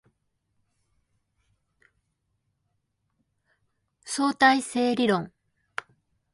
相対性理論